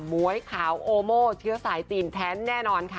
มวยขาวโอโม่เชื้อสายจีนแท้แน่นอนค่ะ